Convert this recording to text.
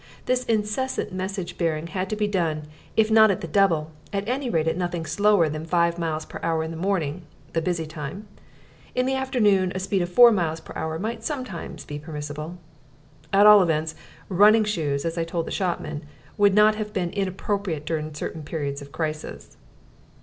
This incessant message bearing had to be done, if not at the double, at any rate at nothing slower than five miles per hour in the morning (the busy time); in the afternoon a speed of four miles per hour might sometimes be permissible. At all events, running shoes, as I told the shopman, would not have been inappropriate during certain periods of crisis.